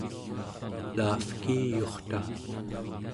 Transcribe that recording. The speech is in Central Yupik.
laavkiiyurta